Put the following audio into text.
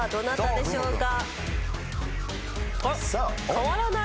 変わらない。